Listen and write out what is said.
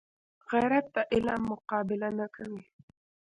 غیرت د علم مقابله نه کوي